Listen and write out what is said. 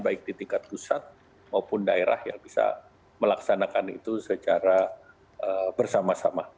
baik di tingkat pusat maupun daerah yang bisa melaksanakan itu secara bersama sama